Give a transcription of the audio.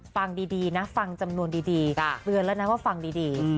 ฟังดีนะฟังจำนวนดีเตือนแล้วนะว่าฟังดี